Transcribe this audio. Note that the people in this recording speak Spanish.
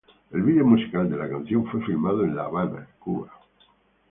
El vídeo musical de la canción fue filmado en La Habana, Cuba.